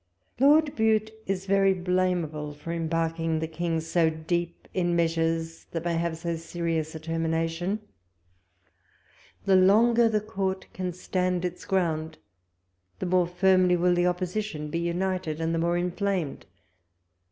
Lord Bute is very blamable for em))arking the King so deep in measures that may have so serious a termination. The longer the Coui't can stand its groimd, the more firmly will the opposition be united, and the more inflamed.